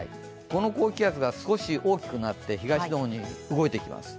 この高気圧が少し大きくなって、東の方に動いてきます。